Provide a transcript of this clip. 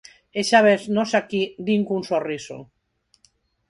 E xa ves, nós aquí, din cun sorriso.